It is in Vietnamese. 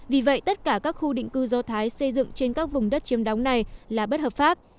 vì vậy tất cả các khu định cư do thái xây dựng trên các vùng đất chiếm đóng này là bất hợp pháp